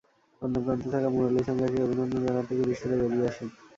অন্য প্রান্তে থাকা মুরালি সাঙ্গাকে অভিনন্দন জানাতে ক্রিজ ছেড়ে বেরিয়ে আসেন।